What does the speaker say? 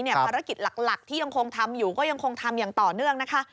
ภารกิจหลักที่ยังคงทำอยู่ก็ยังคงทำอย่างต่อเนื่องนะคะ